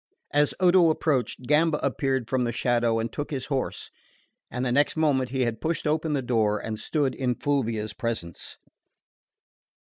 As Odo approached, Gamba appeared from the shadow and took his horse; and the next moment he had pushed open the door, and stood in Fulvia's presence.